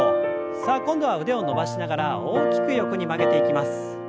さあ今度は腕を伸ばしながら大きく横に曲げていきます。